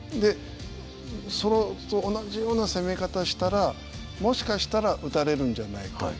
それと同じような攻め方したらもしかしたら打たれるんじゃないか。